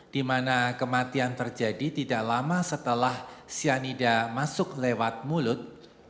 di mana kematian terjadi tidak lama setelah cyanida masuk lewat mulut